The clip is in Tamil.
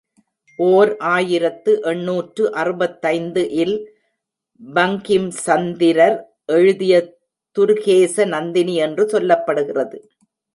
ஓர் ஆயிரத்து எண்ணூற்று அறுபத்தைந்து இல் பங்கிம்சந்திரர் எழுதிய துர்கேச நந்தினி என்று சொல்லப்படுகிறது.